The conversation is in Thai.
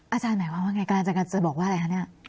อาจารย์หมายความว่าไงการจะบอกว่าอะไรคะเนี่ย